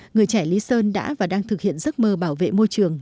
người trẻ lý sơn đã và đang thực hiện giấc mơ bảo vệ môi trường